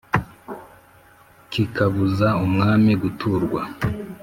kikabuza umwami guturwa